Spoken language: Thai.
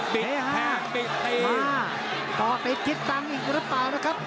ปิดแพรงปิดตีอา้าาาาาาาาาปอดไปทิดตังอีกแล้วนะครับ